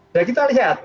nah kita lihat